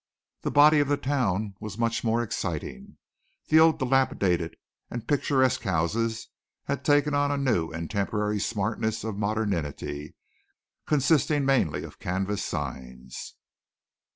The body of the town was much more exciting. The old dilapidated and picturesque houses had taken on a new and temporary smartness of modernity consisting mainly of canvas signs.